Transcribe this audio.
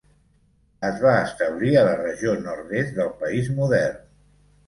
Es va establir a la regió nord-est del país modern.